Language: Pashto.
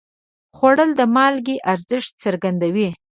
خوړل د مالګې ارزښت څرګندوي